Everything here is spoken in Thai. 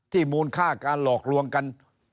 มูลค่าการหลอกลวงกัน